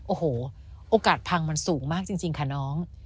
โอ้โหโอกาสพังมันสูงมากจริงค่ะน้อง